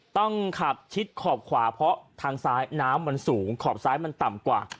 ต้องขับชิดขอบขวาเพราะทางซ้ายน้ำมันสูงขอบซ้ายมันต่ำกว่า